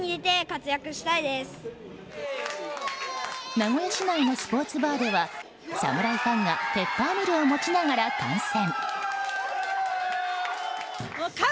名古屋市内のスポーツバーでは侍ファンがペッパーミルを持ちながら観戦。